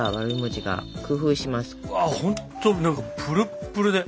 うわっほんと何かプルップルで。